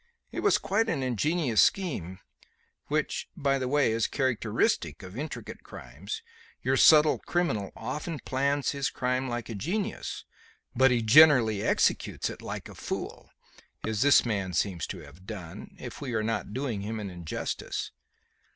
It was quite an ingenious scheme which, by the way, is characteristic of intricate crimes; your subtle criminal often plans his crime like a genius, but he generally executes it like a fool as this man seems to have done, if we are not doing him an injustice."